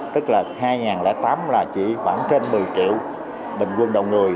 tức là hai nghìn tám là chỉ khoảng trên một mươi triệu bình quân đầu người